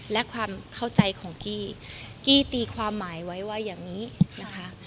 และความเข้าใจของกี้กี้ตีความหมายไว้ว่าอย่างนี้นะคะ